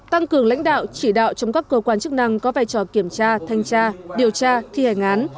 tăng cường lãnh đạo chỉ đạo trong các cơ quan chức năng có vai trò kiểm tra thanh tra điều tra thi hành án